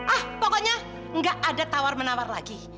ah pokoknya nggak ada tawar menawar lagi